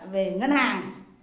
về ngân hàng